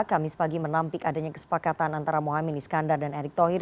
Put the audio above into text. kami sepagi menampik adanya kesepakatan antara muhamad iskandar dan erick tohir